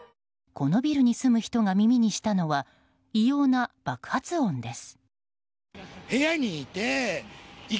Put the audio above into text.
このビルに住む人が耳にしたのは異様な爆発音です。